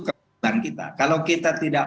kebutuhan kita kalau kita tidak